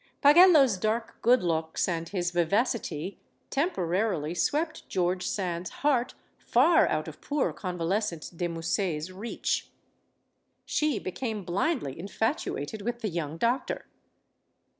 Pagello's dark good looks, and his vivacity tem porarily swept George Sand's heart far out of poor convalescent de Musset's reach. She became blindly infatuated with the young doctor.